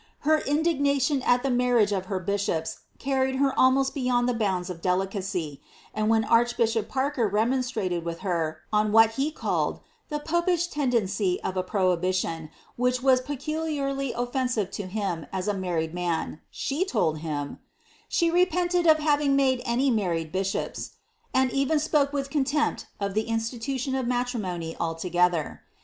Her indi^rtmtion at the marriage of her bishops carried her almost beyond the bounds of ielicary, and when archbishop Parker remonstrated with her on what ie called, the ^ Popish tendency," of a prohibition, which was pe niliarly offensive to him as a married man, she told him, ^^ she repented of having made any married bishops," and even spoke with contempt of the institution of matrimony altogether.